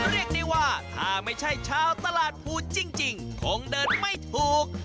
เรียกได้ว่าถ้าไม่ใช่ชาวตลาดภูจริงคงเดินไม่ถูก